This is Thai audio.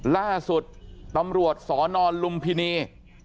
ล่าสุดตำรวจสนลุมพินี